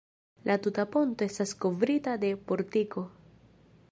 La tuta ponto estas kovrita de portiko.